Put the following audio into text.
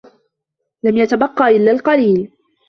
لم يتبقى إلا القليل.